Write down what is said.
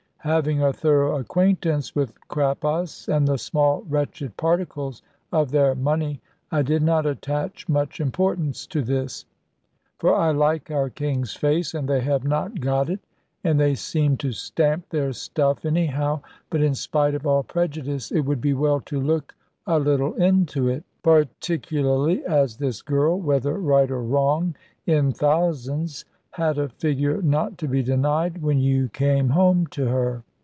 Having a thorough acquaintance with Crappos, and the small wretched particles of their money, I did not attach much importance to this; for I like our King's face, and they have not got it; and they seem to stamp their stuff anyhow. But in spite of all prejudice, it would be well to look a little into it; particularly as this girl (whether right or wrong in thousands) had a figure not to be denied, when you came home to her.